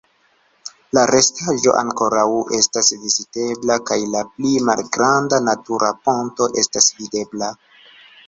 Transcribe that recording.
La restaĵo ankoraŭ estas vizitebla kaj la pli malgranda natura ponto estas videbla.